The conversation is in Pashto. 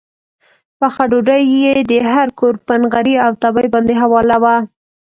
پخه ډوډۍ یې د هر کور پر نغري او تبۍ باندې حواله وه.